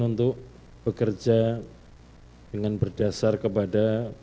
untuk bekerja dengan berdasar kepada